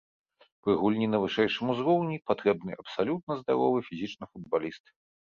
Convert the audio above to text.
Пры гульні на вышэйшым узроўні патрэбны абсалютна здаровы фізічна футбаліст.